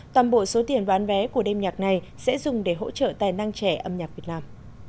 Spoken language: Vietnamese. toàn bộ số tiền bán vé của đêm nhạc này sẽ dùng để hỗ trợ tài năng trẻ âm nhạc việt nam